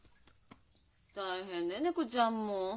大変ね猫ちゃんも。